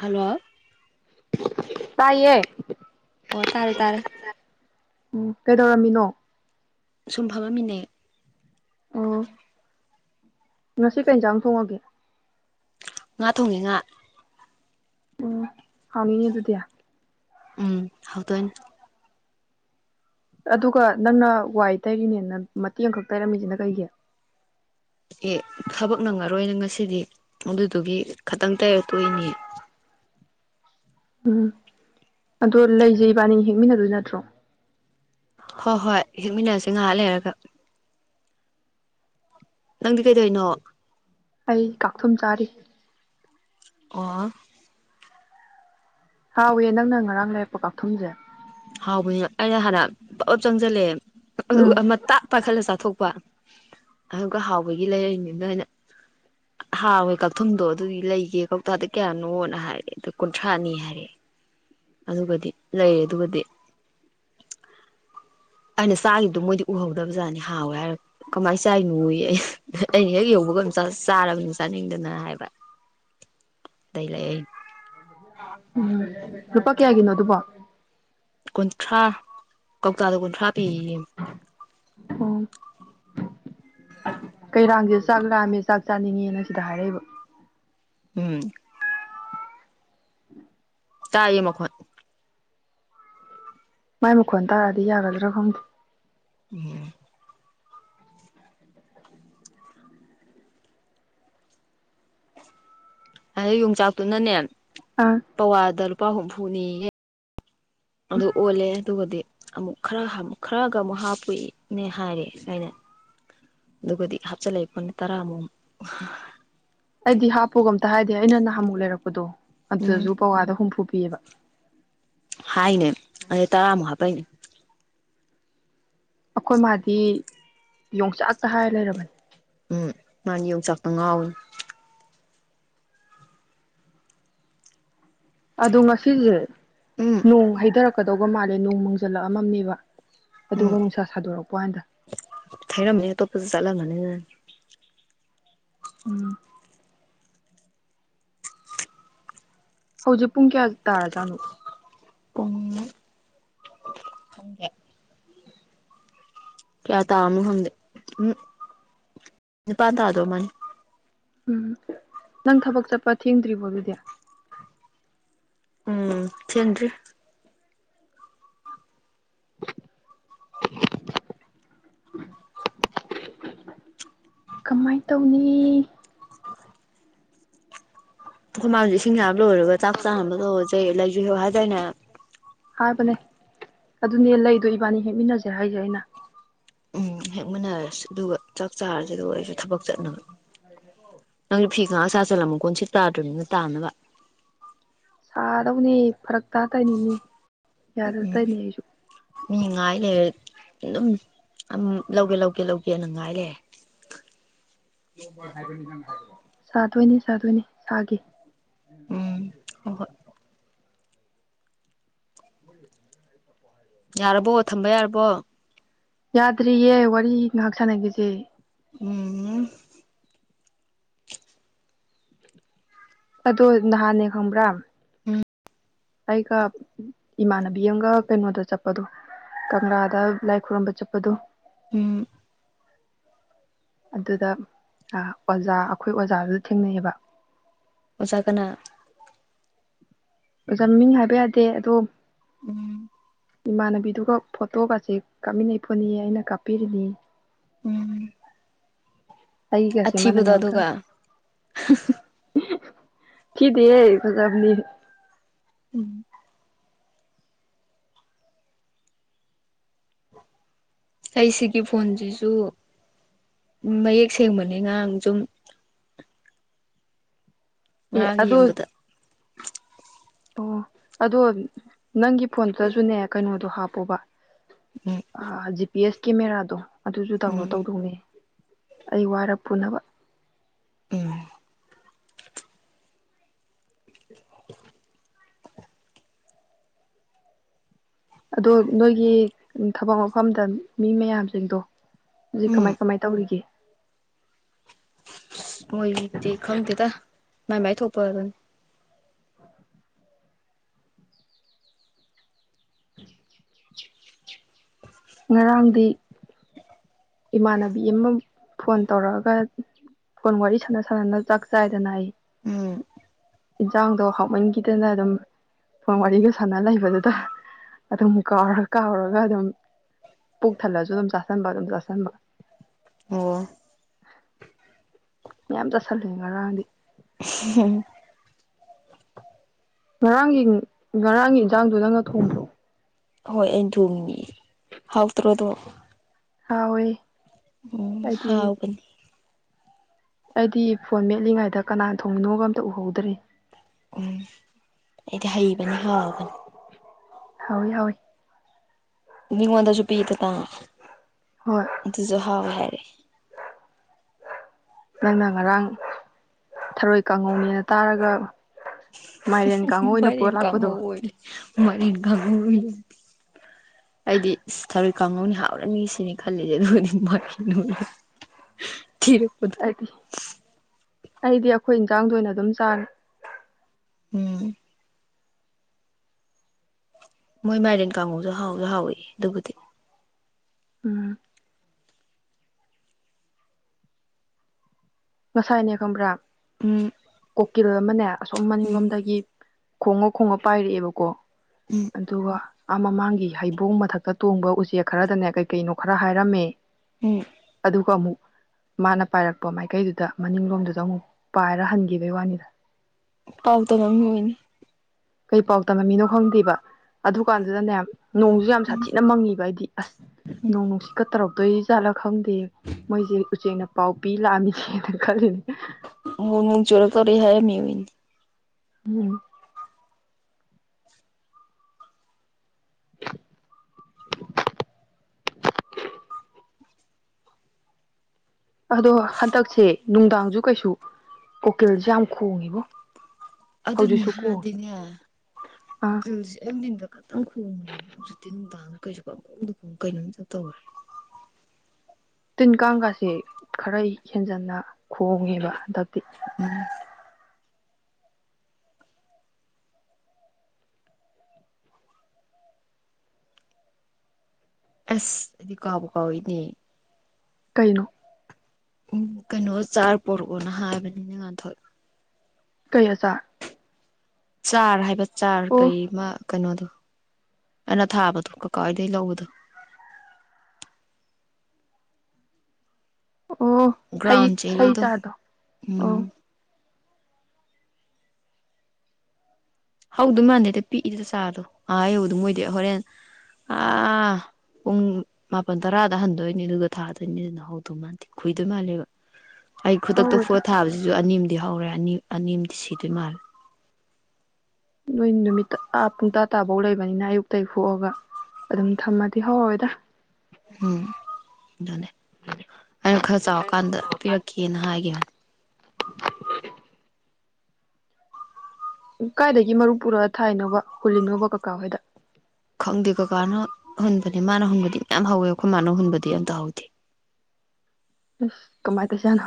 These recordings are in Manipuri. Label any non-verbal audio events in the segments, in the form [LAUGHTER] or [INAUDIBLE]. ꯍꯜꯂꯣ ꯇꯥꯏꯌꯦ ꯑꯣ ꯇꯥꯔꯦ ꯇꯥꯔꯦ ꯎꯝ ꯀꯩꯗꯧꯔꯝꯃꯤꯅꯣ ꯁꯨꯝ ꯐꯝꯃꯝꯃꯤꯅꯦ ꯎꯝ ꯑꯣ ꯉꯁꯤ ꯀꯩ ꯍꯦꯟꯖꯥꯡ ꯊꯣꯡꯉꯒꯦ ꯉꯥ ꯊꯣꯡꯉꯦ ꯉꯥ ꯎꯝ ꯍꯥꯎꯅꯤꯅꯦ ꯑꯗꯨꯗꯤ ꯎꯝ ꯍꯧꯗꯣꯏꯅꯤ ꯑꯗꯨꯒ ꯅꯪꯅ ꯋꯥꯏ ꯇꯩꯔꯤꯅꯦꯅ ꯃꯇꯦꯛ ꯑꯃꯈꯛ ꯇꯩꯔꯝꯃꯤꯁꯤꯅ ꯀꯩꯒꯤ ꯑꯦ ꯊꯕꯛ ꯅꯪꯉꯔꯣꯏꯅ ꯉꯁꯤ ꯗꯤ ꯑꯗꯨꯗꯨꯒꯤ ꯈꯇꯪ ꯇꯩꯔꯒ ꯇꯣꯛꯏꯅꯦ ꯎꯝ ꯑꯗꯣ ꯂꯩꯖꯦ ꯏꯕꯥꯅꯤ ꯍꯦꯛꯃꯤꯟꯅꯗꯣꯏ ꯅꯠꯇ꯭ꯔꯣ ꯍꯣꯏ ꯍꯣꯏ ꯍꯦꯛꯃꯤꯟꯅꯔꯁꯦ ꯉꯥꯍꯥꯛ ꯂꯩꯔꯒ ꯅꯪꯗꯤ ꯀꯩꯗꯧꯔꯤꯅꯣ ꯑꯩ ꯀꯥꯛꯊꯨꯝ ꯆꯥꯔꯤ ꯑꯣ ꯍꯥꯎꯏ ꯅꯪꯅ ꯉꯔꯥꯡ ꯂꯩꯔꯛꯄ ꯀꯥꯎꯊꯨꯝꯁꯦ ꯍꯥꯎꯕꯅꯤꯅ ꯑꯩꯅ ꯍꯥꯟꯅ ꯄꯞ ꯄꯞ ꯆꯪꯖꯤꯜꯂꯦ ꯎꯝ ꯑꯗꯨꯒ ꯑꯃ ꯇꯥ ꯄꯥꯏꯈꯠꯂ ꯆꯥꯊꯣꯛꯄ ꯑꯗꯨꯒ ꯍꯥꯎꯕꯒꯤ ꯂꯩꯔꯛꯏꯅꯤꯅ ꯑꯩꯅ ꯍꯥꯎꯋꯦ ꯀꯛꯊꯨꯝꯗꯣ ꯑꯗꯨꯗꯤ ꯂꯩꯒꯦ ꯀꯧꯇꯥꯗ ꯀꯌꯥꯅꯣꯅ ꯍꯥꯏꯔꯑꯦ ꯑꯗꯨꯗ ꯀꯨꯟꯊ꯭ꯔꯥꯅꯤ ꯍꯥꯏꯔꯛꯑꯦ ꯑꯗꯨꯒꯗꯤ ꯂꯩꯔꯦ ꯑꯗꯨꯒꯗꯤ ꯑꯩꯅ ꯆꯥꯒꯤꯕꯗꯣ ꯃꯣꯏꯗꯤ ꯎꯍꯧꯗꯕ ꯖꯥꯠꯅꯤ ꯍꯥꯎꯋꯦ ꯍꯥꯏꯔ ꯀꯃꯥꯏꯅ ꯆꯥꯏꯅꯣꯌꯦ ꯑꯩꯅ ꯍꯦꯛ ꯌꯧꯕꯒ ꯆꯥꯔꯕꯅꯤ ꯆꯥꯅꯤꯡꯗꯅ ꯍꯥꯏꯕ ꯑꯗꯩ ꯂꯩ ꯎꯝ ꯂꯨꯄꯥ ꯀꯌꯥꯒꯤꯅꯣ ꯑꯗꯨꯕꯣ ꯀꯨꯟꯊ꯭ꯔꯥ ꯇꯥꯗ ꯀꯨꯟꯊ꯭ꯔꯥ ꯄꯤꯑꯌꯦ ꯑꯣ ꯀꯩꯔꯥꯡꯖꯦ ꯆꯥꯛ ꯂꯥꯝꯃꯦ ꯆꯥꯛ ꯆꯥꯅꯤꯡꯉꯦꯅ ꯁꯤꯗ ꯍꯥꯏꯔꯛꯏꯕ ꯎꯝ ꯇꯥꯏ ꯃꯈꯣꯟ ꯃꯥꯏ ꯃꯈꯣꯟ ꯇꯥꯔꯗꯤ ꯌꯥꯒꯗ꯭ꯔꯥ ꯈꯪꯗ ꯎꯝ [INAUDIBLE] ꯑꯗ ꯌꯣꯡꯆꯥꯛꯇꯨꯅꯅꯦ ꯑꯥ ꯄꯋꯥꯗ ꯂꯨꯄꯥꯥ ꯍꯨꯝꯐꯨꯅꯤ ꯑꯗꯨ ꯑꯣꯜꯂꯦ ꯑꯗꯨꯒꯗꯤ ꯑꯃꯨꯛ ꯈꯔ ꯈꯔꯒ ꯑꯃꯨꯛ ꯍꯥꯞꯄꯨꯏꯅꯦ ꯍꯥꯏꯔꯦ ꯑꯩꯅ ꯑꯗꯨꯒꯗꯤ ꯍꯥꯞꯆꯤꯜꯂꯛꯏ ꯐꯣꯅ ꯇꯔꯥꯃꯨꯛ ꯑꯩꯗꯤ ꯍꯥꯞꯄꯨꯒ ꯑꯝꯇ ꯍꯥꯏꯗꯦ ꯑꯩꯅ ꯑꯃꯨꯛ ꯂꯩꯔꯛꯄꯗꯣ ꯎꯝ ꯑꯗꯨꯁꯨ ꯄꯋꯥꯗ ꯍꯨꯝꯐꯨ ꯄꯤꯕ ꯍꯥꯏꯏꯅꯦ ꯑ ꯇꯔꯥ ꯍꯥꯄꯥꯏ ꯑꯩꯈꯣꯏ ꯢꯃꯥꯗꯤ ꯌꯣꯡꯆꯥꯛꯇ ꯍꯥꯏꯔ ꯂꯩꯔꯕꯅꯤ ꯎꯝ ꯃꯥꯅ ꯌꯣꯡꯆꯥꯛꯇ ꯉꯥꯎꯋꯤ ꯑꯗꯣ ꯉꯁꯤꯁꯦ ꯎꯝ ꯅꯣꯡ ꯍꯥꯏꯩꯊꯔꯛꯀꯗꯧꯕ ꯃꯥꯜꯂꯦ ꯅꯣꯡ ꯃꯡꯖꯜꯂꯛꯑꯝ ꯃꯃꯦꯕꯥ ꯎꯝ ꯊꯩꯔꯝꯅꯤ ꯑꯇꯣꯞꯄ ꯖꯠꯂꯝ [UNINTELLIGIBLE] ꯎꯝ ꯍꯧꯖꯤꯛ ꯄꯨꯡ ꯀꯌꯥ ꯇꯥꯔꯖꯥꯠꯅꯣ ꯄꯨꯡ ꯍ [UNINTELLIGIBLE] ꯀꯌꯥ ꯇꯥꯃꯣ ꯈꯪꯗꯦ ꯎꯝ ꯅꯤꯄꯥꯥꯟ ꯇꯥꯗꯧ ꯃꯥꯅꯤ ꯎꯝ ꯅꯪ ꯊꯕꯛ ꯆꯠꯄ ꯊꯦꯡꯗ꯭ꯔꯤꯕꯣ ꯑꯗꯨꯗꯤ ꯎꯝ ꯊꯟꯔꯤ [INAUDIBLE] [INAUDIBLE] ꯀꯃꯥꯏ ꯇꯧꯅꯤ ꯈꯦ ꯁꯤꯡꯖ ꯂꯣꯏꯔꯒ ꯆꯥꯛ ꯆꯥꯅꯕ ꯇꯧꯔꯖꯦ ꯂꯩ [UNINTELLIGIBLE] ꯍꯥꯏꯗꯥꯏꯅꯦ ꯍꯥꯏꯕꯅꯦ ꯑꯗꯨꯅꯦ ꯂꯩꯗꯣ ꯏꯕꯥꯅꯤ ꯍꯦꯛꯃꯤꯟꯅꯁꯦ ꯍꯥꯏꯁꯦ ꯑꯩꯅ ꯎꯝ ꯍꯦꯛ ꯃꯟꯅꯔꯁꯤ ꯑꯗꯨꯒ ꯆꯥꯛ ꯆꯥꯔꯁꯤꯗ ꯑꯩꯁꯨ ꯊꯕꯛ ꯆꯠꯅꯕ ꯐꯤ ꯉꯥꯛ ꯁꯥꯆꯜꯂꯝꯃꯨ ꯀꯣꯟꯁꯤꯠ ꯇꯥꯗ꯭ꯔꯅꯤꯅ ꯇꯥꯅꯕ ꯁꯥꯗꯧꯅꯦ ꯐꯔꯛ ꯇꯥ ꯇꯧꯅꯤꯅꯦ ꯌꯥꯗ ꯇꯧꯔꯤꯅꯦ ꯑꯩꯁꯨ ꯃꯤ ꯉꯥꯏ ꯂꯩ ꯑꯗꯨꯝꯝ ꯂꯧꯒꯦ ꯂꯧꯒꯦ ꯂꯧꯒꯦꯅ ꯉꯥꯏ ꯂꯩ [UNINTELLIGIBLE] ꯁꯥꯗꯣꯏꯅꯤ ꯁꯥꯗꯣꯏꯅꯤ ꯁꯥꯒꯤ ꯎꯝ [UNINTELLIGIBLE] ꯍꯣꯏ ꯍꯣꯏ [INAUDIBLE] ꯌꯥꯔꯕꯣ ꯊꯝꯕ ꯌꯥꯔꯕꯣ ꯌꯥꯗ꯭ꯔꯤꯌꯦ ꯋꯥ ꯉꯥꯛ ꯁꯅꯥꯒꯤꯁꯦ ꯎꯝ ꯑꯗꯣ ꯅꯍꯥꯟꯅꯦ ꯈꯪꯕ꯭ꯔꯥ ꯎꯝ ꯑꯩꯒ ꯏꯃꯥꯟꯅꯕꯤ ꯑꯃꯒ ꯀꯩꯅꯣꯗ ꯆꯠꯄꯗꯣ ꯀꯪꯂꯥꯗ ꯂꯥꯏ ꯈꯨꯔꯨꯝꯝꯕ ꯆꯠꯄꯗꯣ ꯎꯝ ꯑꯗꯨꯗ ꯑꯣꯖꯥ ꯑꯩꯈꯣꯏ ꯑꯣꯖꯥꯗꯨꯗ ꯊꯦꯡꯅꯩꯑꯕ ꯑꯣꯖꯥ ꯀꯅꯥ ꯑꯣꯖꯥ ꯃꯤꯡ ꯍꯥꯏꯕ ꯌꯥꯗꯦ ꯑꯗꯣ ꯎꯝ ꯏꯃꯥꯟꯅꯕꯤꯗꯨꯒ ꯐꯣꯇꯣꯒꯁꯦ ꯀꯥꯞꯃꯤꯟꯅꯩꯄꯅꯤ ꯑꯩꯅ ꯀꯥꯞꯄꯤꯔꯤꯅꯤ ꯎꯝ ꯑꯩꯒꯦꯁꯤ ꯃꯥꯏꯝ ꯑꯊꯤꯕꯗꯣ ꯑꯗꯨꯒ ꯀꯥꯄꯤ ꯊꯤꯗꯦꯍꯦ ꯐꯥꯖꯕꯅꯦ ꯎꯝ ꯑꯩ ꯁꯤꯒꯤ ꯐꯣꯟꯁꯤꯁꯨ ꯃꯌꯦꯛ ꯁꯦꯡꯕꯅꯤ ꯉꯔꯥꯡ ꯁꯨꯝ ꯉꯔꯪ ꯌꯦꯡꯕꯗ ꯑꯣ ꯑꯗꯣ ꯅꯪꯒꯤ ꯐꯣꯟꯗꯨꯗꯁꯨꯅꯦ ꯀꯩꯅꯣꯗꯣ ꯍꯥꯞꯄꯣꯕ ꯎꯝ ꯖꯤ ꯄꯤ ꯑꯦꯁ ꯀꯦꯃꯦꯔꯥꯗꯣ ꯑꯗꯨꯁꯨ ꯗꯥꯎꯟꯂꯣꯗ ꯎꯝ ꯇꯧꯗꯧꯅꯦ ꯑꯩ ꯋꯥꯏꯔ ꯄꯨꯅꯕ ꯎꯝ [INAUDIBLE] ꯑꯗꯣ ꯅꯣꯏꯒꯤ ꯊꯕꯛ ꯃꯐꯝꯗ ꯃꯤ ꯃꯌꯥꯝꯁꯤꯡꯗꯣ꯫ ꯍꯧꯖꯤꯛ ꯎꯝ ꯀꯃꯥꯏ ꯀꯃꯥꯏ ꯇꯧꯔꯤꯒꯦ ꯃꯣꯏ ꯗꯤ ꯈꯪꯗꯦ ꯇ ꯃꯥꯏꯃꯥꯏ ꯊꯣꯛꯄ ꯑꯗꯨꯅꯤ [INAUDIBLE] [INAUDIBLE] ꯉꯔꯥꯡꯗꯤ ꯏꯃꯥꯟꯅꯕꯤ ꯑꯃ ꯐꯣꯟ ꯇꯧꯔꯛꯑꯒ ꯐꯣꯟ ꯋꯥꯔꯤ ꯁꯥꯟꯅ ꯁꯥꯟꯅꯅ ꯆꯥꯛ ꯆꯥꯏꯗꯅ ꯑꯩ ꯎꯝ ꯏꯟꯁꯥꯡꯗꯣ ꯍꯥꯥꯎꯃꯟꯈꯤꯗꯅ ꯑꯗꯨꯝ ꯐꯣꯟ ꯋꯥꯔꯤꯒ ꯁꯥꯟꯅ ꯂꯩꯕꯗꯨꯗ ꯑꯗꯨꯝ ꯀꯥꯎꯔ ꯀꯥꯎꯔꯒ ꯑꯗꯨꯝ ꯄꯨꯛ ꯊꯜꯂꯁꯨ ꯑꯗꯨꯝ ꯆꯥꯥꯁꯟꯕ ꯑꯗꯨꯝ ꯆꯥꯥꯁꯟꯕ ꯑꯣ ꯃꯌꯥꯝ ꯆꯠꯁꯤꯜꯂꯦ ꯉꯔꯥꯡꯗꯤ ꯉꯔꯥꯡꯒꯤ ꯉꯔꯥꯡꯒꯤ ꯏꯟꯁꯥꯡꯗꯨ ꯅꯪꯅ ꯊꯣꯡꯕ꯭ꯔꯣ ꯍꯣꯏ ꯑꯩꯅ ꯊꯣꯡꯉꯤꯅꯦ ꯍꯥꯎꯇ꯭ꯔꯣꯑꯗꯣ ꯍꯥꯎꯋꯦ ꯎꯝ ꯑꯩꯗꯤ ꯍꯥꯎꯕꯅꯤ ꯑꯩꯗꯤ ꯐꯣꯟ ꯃꯦꯠꯂꯤꯉꯩꯗ ꯀꯅꯥ ꯊꯣꯡꯅꯣꯒ ꯑꯝꯇ ꯎꯍꯧꯗ꯭ꯔꯦ ꯎꯝ ꯑꯩꯗꯤ ꯍꯩꯕꯅꯤ ꯍꯥꯎꯕꯅꯤ ꯍꯥꯎꯏ ꯍꯥꯎꯏ ꯃꯤꯉꯣꯟꯗꯁꯨꯨ ꯄꯤꯗꯅ ꯍꯣꯏ ꯑꯗꯨꯁꯨ ꯍꯥꯎꯋꯦ ꯍꯥꯏ ꯐ [INAUDIBLE] ꯅꯪꯅ ꯉꯔꯥꯡ ꯊꯔꯣꯏ ꯀꯥꯡꯉꯧꯅꯦꯅ ꯇꯥꯔꯒ ꯃꯥꯏꯔꯦꯟ ꯀꯥꯡꯉꯧ ꯑꯣꯏꯅ ꯄꯨꯔ ꯃꯥꯏꯔꯦꯟ ꯂꯥꯛꯄꯗꯣ ꯀꯥꯡꯉꯧ ꯑꯣꯏꯔꯦ ꯃꯥꯏꯔꯦꯟ ꯀꯧꯒꯧ ꯑꯣꯔꯦ ꯑꯩꯗꯤ ꯁꯔ ꯀꯥꯡꯍꯧꯅꯤ ꯍꯥꯥꯎꯔꯅꯤ ꯁꯤꯅꯤ ꯈꯜꯂꯤꯁꯦ ꯑꯗꯨꯕꯨꯗꯤ ꯊꯤꯔꯦ ꯈꯨꯗꯨ ꯑꯩꯗꯤ ꯑꯩꯗꯤ ꯑꯩꯈꯣꯏ ꯏꯟꯁꯥꯡꯗꯣ ꯑꯣꯏꯅ ꯑꯗꯨꯝ ꯆꯥꯡꯔꯦ ꯎꯝ ꯃꯣꯏ ꯃꯥꯏꯔꯦꯟ ꯀꯥꯡꯉꯧꯁꯨ ꯍꯥꯎꯁꯨ ꯍꯥꯎꯋꯤ ꯑꯗꯨꯕꯨꯗꯤ ꯎꯝ ꯉꯁꯥꯏꯅꯦ ꯈꯪꯕ꯭ꯔꯥ ꯎꯝ ꯀꯣꯀꯤꯜ ꯑꯃꯅꯦ ꯑꯁꯣꯝ ꯎꯝ ꯃꯅꯤꯡꯂꯣꯝꯗꯒꯤ ꯈꯣꯡꯉ ꯈꯣꯡꯉ ꯄꯥꯏꯔꯛꯑꯦꯕꯀꯣ ꯑꯗꯨꯒ ꯑ ꯃꯃꯥꯡꯒꯤ ꯍꯩꯕꯣꯡ ꯃꯊꯛꯇ ꯇꯣꯡꯕ ꯎꯆꯦꯛ ꯈꯔꯗꯅꯦ ꯀꯩ ꯀꯩꯅꯣ ꯈꯔ ꯍꯥꯏꯔꯝꯃꯦ ꯎꯝ ꯑꯗꯨ ꯑꯃꯨꯛ ꯃꯥꯅ ꯄꯥꯏꯔꯛꯄ ꯃꯥꯏꯀꯩꯗꯨꯗ ꯗ ꯃꯅꯤꯡꯂꯣꯝꯗꯨꯗ ꯑꯃꯨꯛ ꯄꯥꯏꯔ ꯍꯟꯈꯤꯕꯩ ꯋꯥꯅꯤꯗ ꯄꯥꯎ ꯇꯥꯃꯥꯝꯃꯤ ꯑꯣꯏꯅꯤ ꯀꯩ ꯄꯥꯎ ꯇꯝꯃꯃꯤꯅꯣ ꯈꯪꯗꯦꯕ ꯑꯗꯨ ꯀꯥꯟꯗꯨꯗꯅꯦ ꯅꯣꯡꯖꯨ ꯌꯥꯝ ꯁꯥꯊꯤꯅ ꯃꯪꯉꯤꯕ ꯍꯥꯏꯗꯤ ꯑꯁ ꯅꯣꯡ ꯅꯨꯡꯁꯤꯀ ꯇꯧꯔꯛꯇꯣꯏ ꯖꯠꯂ ꯈꯪꯗꯦ ꯃꯣꯏꯖꯦ ꯎꯆꯦꯛꯅ ꯄꯥꯎ ꯄꯤ ꯂꯥꯛꯑꯃꯤꯅꯦꯅ ꯈꯜꯂꯤꯅꯦ [UNINTELLIGIBLE] ꯍꯥꯏꯔꯝꯃꯤ ꯅꯦꯃꯤ [UNINTELLIGIBLE] ꯑꯗꯣ ꯍꯟꯗꯛꯁꯦ ꯅꯨꯡꯗꯥꯡꯁꯨ ꯀꯩꯁꯨ ꯎꯀꯤꯜꯁꯦ ꯌꯥꯝ ꯈꯣꯡꯉꯤꯕꯣ ꯑꯗꯨꯅꯤ ꯍꯧꯖꯤꯛꯁꯨ ꯈꯣꯡ ꯍꯥꯟꯅꯗꯤꯅꯦ ꯑꯥ ꯀꯨꯀꯤꯜꯁꯦ ꯑꯌꯨꯛ ꯅꯨꯡꯗꯤꯟꯗ ꯈꯛꯇꯪ ꯈꯣꯡꯉꯦ ꯍꯧꯖꯤꯛꯇꯤ ꯅꯨꯡꯗꯥꯡ ꯀꯩꯁꯨ ꯄꯪꯈꯣꯡꯗ ꯈꯣꯡꯉꯦ ꯀꯩꯅꯣꯝ ꯏꯇꯧ ꯇꯧꯔꯦ ꯇꯤꯟ ꯀꯥꯡꯀꯥꯁꯦ ꯈꯔꯩ ꯍꯦꯟꯖꯟꯅ ꯈꯣꯡꯉꯦꯕ ꯍꯟꯗꯛꯇꯤ ꯑꯁ ꯑꯩꯗꯤ ꯀꯥꯎꯕꯨ ꯀꯥꯎꯏꯅꯦ ꯀꯩꯅꯣ ꯎꯝ ꯀꯩꯅꯣ ꯆꯥꯔ ꯄꯣꯔꯛꯑꯣꯅ ꯍꯥꯏꯕꯅꯤꯅꯦ ꯉꯟꯊꯣꯏ ꯀꯩ ꯑꯆꯔ ꯆꯥꯔ ꯍꯥꯏꯕ ꯆꯥꯔ ꯀꯩꯃ ꯀꯩꯅꯣꯗꯣ ꯑꯩꯅ ꯊꯥꯕꯗꯣ ꯀꯀꯥ ꯍꯣꯏꯗꯩꯩ ꯂꯧꯕꯗꯣ ꯑꯣ ꯍꯩ ꯒ꯭ꯔꯥꯎꯟ ꯍꯩ ꯆꯦꯔꯤꯗꯣ ꯆꯥꯔꯗꯣ ꯑꯣ ꯎꯝ ꯍꯧꯗꯧ ꯃꯥꯟꯗꯦꯗ ꯄꯤꯛꯏꯗ ꯔꯗꯣ ꯑꯥ ꯌꯧꯕꯗꯥ ꯃꯣꯏꯗꯤ ꯍꯣꯔꯦꯟ ꯑꯥ ꯄꯨꯡ ꯃꯥꯄꯜ ꯇꯔꯥꯗ ꯍꯟꯗꯣꯏꯅꯤ ꯑꯗꯨꯒ ꯊꯥꯗꯣꯏꯅꯤ ꯑꯗꯨꯅ ꯍꯧꯗꯧ ꯃꯥꯥꯟꯗꯦ ꯈꯨꯏꯗꯧ ꯃꯥꯜꯂꯦꯕ ꯑꯩ ꯈꯨꯗꯛꯇ ꯍꯧꯔꯣꯏꯗ ꯐꯨꯛꯑ ꯊꯥꯕꯁꯤꯁꯨ ꯑꯅꯤꯝ ꯗꯤ ꯍꯧꯔꯛ ꯑꯅꯤ ꯑꯅꯤꯝꯗꯤ ꯁꯤꯗꯣꯏ ꯃꯥꯜꯂꯦ ꯅꯣꯏ ꯅꯨꯃꯤꯠꯇ ꯑꯥ ꯄꯨꯡ ꯇꯥꯔꯥ ꯇꯕꯧ ꯂꯩꯕ ꯕꯅꯤꯅ ꯑꯌꯨꯛꯇꯩ ꯐꯨꯛꯑꯒ ꯑꯗꯨꯝ ꯊꯝꯃꯗꯤ ꯍꯧꯔꯣꯏꯗ ꯎꯝ ꯑꯗꯨꯅꯦ ꯑꯩꯅ ꯈꯔ ꯆꯥꯎꯔꯀꯥꯟꯗ ꯄꯤꯔꯛꯀꯦꯅ ꯍꯥꯏꯒꯤꯕꯅꯦ [UNINTELLIGIBLE] ꯀꯥꯏꯗꯒꯤ ꯃꯔꯨ ꯄꯨꯔꯛꯑ ꯊꯥꯏꯅꯣꯕ ꯍꯨꯜꯂꯤꯅꯣꯕ ꯀꯀꯥ ꯍꯣꯏꯗ ꯈꯪꯗꯦ ꯀꯀꯥꯅ ꯍꯨꯟ ꯃꯥꯅ ꯍꯨꯟꯕꯗꯤ ꯃꯌꯥꯝ ꯍꯧꯋꯦ ꯑꯩꯈꯣꯏ ꯃꯥꯅ ꯍꯨꯟꯕꯗꯤ ꯑꯝꯇꯍꯧꯗꯦ ꯑꯁ ꯀꯃꯥꯏ ꯇꯧꯏꯖꯥꯠꯅꯣ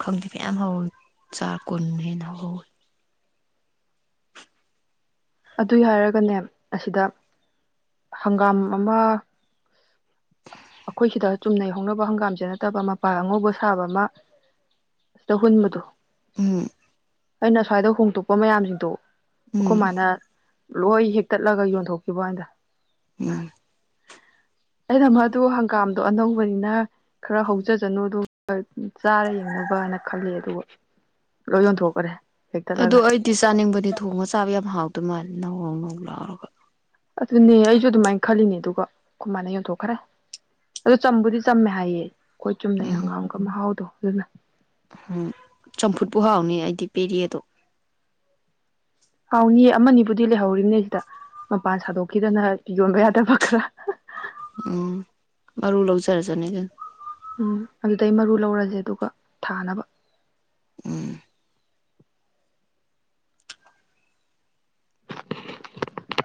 ꯈꯪꯗꯦ ꯀꯌꯥꯝ ꯍꯧꯋꯤ ꯆꯥ꯭ꯔ ꯀꯨꯟ ꯍꯦꯟꯅ ꯍꯧꯋꯤ ꯑꯗꯨꯏ ꯍꯥꯏꯔꯒꯅꯦ ꯑꯁꯤꯗ ꯍꯪꯒꯥꯝ ꯑꯃ ꯑꯩꯈꯣꯏ ꯁꯤꯗ ꯆꯨꯝꯅꯩ ꯍꯧꯅꯕ ꯍꯪꯒꯥꯝꯁꯦ ꯅꯠꯇꯕ ꯃꯄꯥꯜ ꯑꯉꯧꯕ ꯁꯥꯕ ꯑꯃ ꯁꯤꯗ ꯍꯨꯟꯕꯗꯣ ꯎꯝ ꯑꯩꯅ ꯁ꯭ꯋꯥꯏꯗ ꯍꯣꯡꯗꯣꯛꯄ ꯃꯌꯥꯝꯁꯤꯡꯗꯣ ꯑꯩꯈꯣꯏ ꯎꯝ ꯃꯥꯅ ꯂꯣꯏ ꯍꯦꯛꯇꯠꯂꯒ ꯌꯣꯟꯊꯣꯛꯈꯤꯕ ꯋꯥꯅꯤꯗ ꯎꯝ ꯑꯩꯅ ꯃ ꯑꯗꯨ ꯍꯪꯒꯥꯝꯗꯣ ꯑꯅꯧꯕꯅꯤꯅ ꯈꯔ ꯍꯧꯖꯁꯅꯨꯗꯨ ꯆꯥꯔꯥ ꯌꯦꯡꯅꯕꯅ ꯈꯜꯂꯤ ꯑꯗꯨꯒ ꯂꯣꯏ ꯌꯣꯟꯊꯣꯛꯈꯔꯦ ꯑꯗꯣ ꯍꯦꯛꯇꯠꯂꯒ ꯑꯩꯗꯤ ꯆꯥꯅꯤꯡꯕꯗꯤ ꯊꯣꯡꯉ ꯆꯥꯕ ꯌꯥꯝ ꯍꯥꯎꯗꯣꯏ ꯃꯥꯜꯂꯦ ꯅꯧ ꯂꯥꯎꯔꯒ ꯑꯗꯨꯅꯦ ꯑꯩꯁꯨ ꯑꯗꯨꯃꯥꯏꯅ ꯈꯜꯂꯤꯅꯦ ꯑꯗꯨꯒ ꯈ‌ꯣꯏ ꯃꯥꯅꯥ ꯌ‌ꯣꯟꯊ‌ꯣꯛ ꯈꯔ‌ꯦ ꯑ ꯆꯝꯕꯨꯗꯤ ꯆꯝꯃꯦ ꯍꯥꯏꯌꯦ ꯑꯩꯈꯣꯏ ꯆꯨꯝꯅꯩ ꯎꯝ ꯍꯪꯒꯥꯝꯒ ꯃꯍꯥꯎꯗꯣ ꯑꯗꯨꯅꯥ ꯎꯝ ꯆꯝꯐꯨꯠꯄꯨ ꯍꯥꯎꯅꯤ ꯑꯩꯗꯤ ꯄ‌ꯦꯔ‌ꯦꯗ‌ꯣ ꯍꯥꯎꯅꯤꯌ‌ꯦ ꯑꯃꯅꯤꯕꯨꯗꯤ ꯂꯩꯍꯧꯔꯤꯝꯅꯦ ꯁꯤꯗ ꯃꯄꯥꯟ ꯁꯥꯗꯣꯛꯈꯤꯗꯅ ꯌꯣꯟꯕ ꯌꯥꯗꯕ ꯈꯔ ꯎꯝ ꯃꯔꯨ ꯂꯧꯖꯔꯖꯅꯤ ꯎꯝ ꯑꯗꯨꯗꯩ ꯃꯔꯨ ꯂꯧꯔꯁꯦ ꯑꯗꯨꯒ ꯊꯥꯅꯕ ꯎꯝ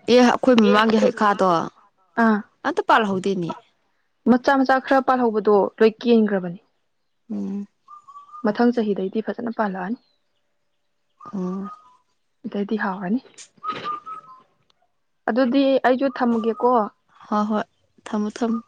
ꯑꯦ ꯑꯩꯈꯣꯏ ꯑ‌ꯦ ꯃꯃꯥꯡꯒꯤ ꯑꯩꯈꯣꯏ ꯍꯩꯈꯥꯗꯣ ꯃꯃꯥꯡꯒꯤ ꯍꯩꯈꯥꯗꯣ ꯑꯝꯇ ꯄꯥꯜꯍꯧꯗꯦꯅꯦ ꯃꯆꯥ ꯃꯆꯥ ꯈꯔ ꯄꯥꯜꯍꯧꯕꯗꯣ ꯂꯣꯏ ꯀꯦꯟꯈ꯭ꯔꯕꯅꯤ ꯎꯝ ꯃꯊꯪ ꯆꯍꯤꯗꯩꯗꯤ ꯐꯖꯅ ꯄꯥꯜꯂꯛꯑꯅꯤ ꯎꯝ ꯑꯗꯩꯗꯤ ꯍꯥꯎꯔꯅꯤ ꯑꯗꯨꯗꯤ ꯑꯩꯁꯨ ꯊꯝꯃꯒꯦꯀꯣ ꯍꯣꯏ ꯍꯣꯏ ꯊꯝꯃꯣ ꯊꯝꯃꯣ